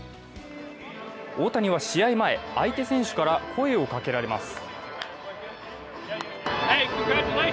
大谷は試合前、相手選手から声をかけられます。